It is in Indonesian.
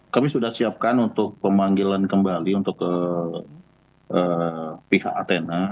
kami sudah siapkan untuk pemanggilan kembali untuk pihak athena